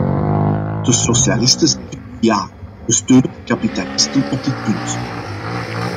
De socialisten zeggen nu ja, we steunen de kapitalisten op dit punt.